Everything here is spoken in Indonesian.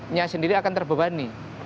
nya sendiri akan terbebani